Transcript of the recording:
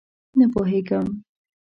_نه پوهېږم.